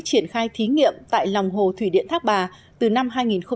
triển khai thí nghiệm tại lòng hồ thủy điện thác bà từ năm hai nghìn năm